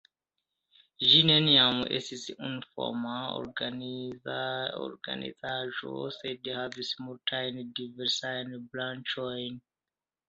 Ĝi neniam estis unuforma organizaĵo sed havis multajn diversajn branĉojn.